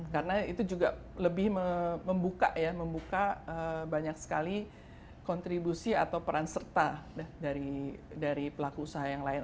karena itu juga lebih membuka ya membuka banyak sekali kontribusi atau peran serta dari pelaku usaha yang lain